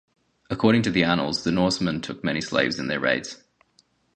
According to the annals, the Norsemen took many slaves in their raids.